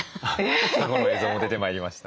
過去の映像も出てまいりました。